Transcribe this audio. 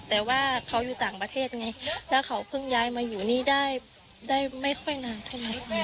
แต่ว่าเขาอยู่ต่างประเทศไงแล้วเขาเพิ่งย้ายมาอยู่นี่ได้ไม่ค่อยนานเท่าไหร่